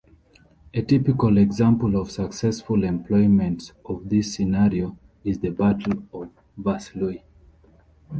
A typical example of successful employments of this scenario is the Battle of Vaslui.